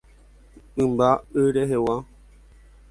Mymba y rehegua